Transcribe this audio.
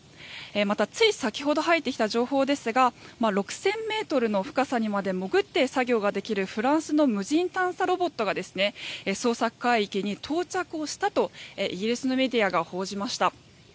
またつい先ほど入ってきた情報ですが６０００ｍの深さにまで潜って作業ができるフランスの無人探査ロボットが捜索海域に到着したとイギリスのメディアが報じました。